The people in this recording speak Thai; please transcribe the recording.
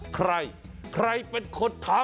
ใครใครเป็นคนถาม